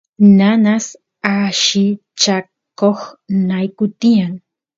nanas allichakoq nayku tiyan